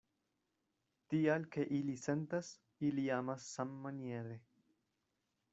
Tial ke ili sentas, ili amas sammaniere.